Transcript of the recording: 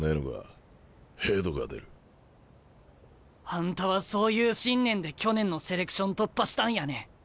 あんたはそういう信念で去年のセレクション突破したんやね。